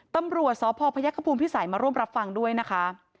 ตำรวจสพพยักษภูมิพิสัยมาร่วมรับฟังด้วยนะคะ